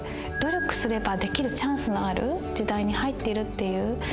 努力すればできるチャンスのある時代に入ってるっていう。